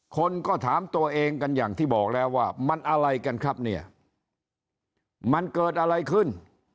คนก็ถามตัวเองกันอย่างที่บอกแล้วว่ามันอะไรกันครับเนี่ยมันเกิดอะไรขึ้น